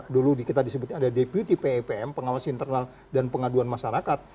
dulu kita disebut ada deputi pepm pengawas internal dan pengaduan masyarakat